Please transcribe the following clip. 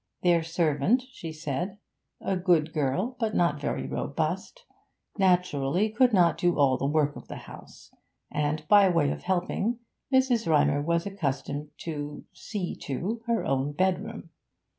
Their servant, she said, a good girl but not very robust, naturally could not do all the work of the house, and, by way of helping, Mrs. Rymer was accustomed to 'see to' her own bedroom.